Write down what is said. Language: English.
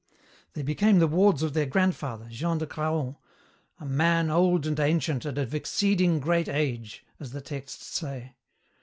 They became the wards of their grandfather, Jean de Craon, 'a man old and ancient and of exceeding great age,' as the texts say.